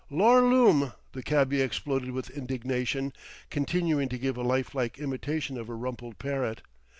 "Lor' lumme!" The cabby exploded with indignation, continuing to give a lifelike imitation of a rumpled parrot.